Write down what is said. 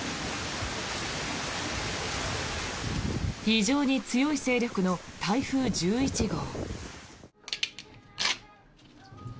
非常に強い勢力の台風１１号。